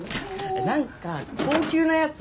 なんか高級なやつ